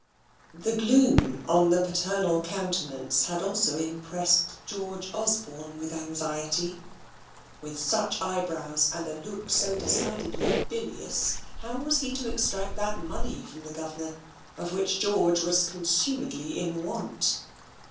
The gloom on the paternal countenance had also impressed George Osborne with anxiety. With such eyebrows, and a look so decidedly bilious, how was he to extract that money from the governor, of which George was consumedly in want?